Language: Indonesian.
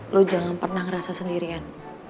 lo jangan pernah ngerasa sendirian